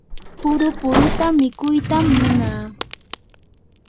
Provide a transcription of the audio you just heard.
puru puruta mikuytam munaa.